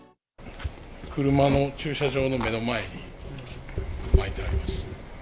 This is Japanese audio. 車の駐車場の目の前に、まいてありました。